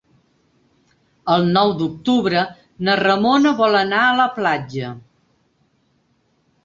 El nou d'octubre na Ramona vol anar a la platja.